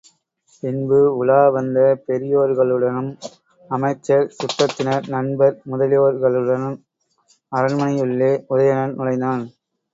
பின்பு உலாவந்த பெரியோர்களுடனும் அமைச்சர், சுற்றத்தினர், நண்பர் முதலியோர்களுடனும் அரண்மனையினுள்ளே உதயணன் நுழைந்தான்.